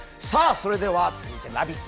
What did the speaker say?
それでは続いて「ラヴィット！」